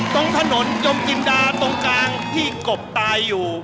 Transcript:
ตรงถนนยมจินดาตรงกลางที่กบตายอยู่